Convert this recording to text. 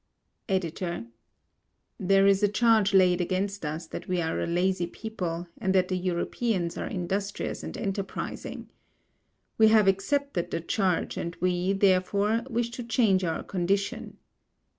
EDITOR: There is a charge laid against us that we are a lazy people, and that the Europeans are industrious and enterprising. We have accepted the charge and we, therefore, wish to change our condition.